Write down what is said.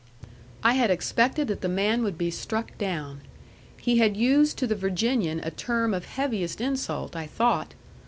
I had expected that the man would be struck down. He had used to the Virginian a term of heaviest insult, I thought.